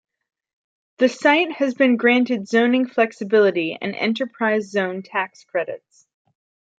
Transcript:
The site has been granted "zoning flexibility" and Enterprise Zone tax credits.